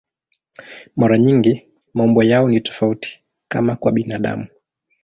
Mara nyingi maumbo yao ni tofauti, kama kwa binadamu.